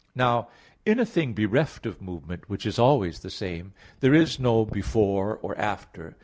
Now in a thing bereft of movement, which is always the same, there is no before or after.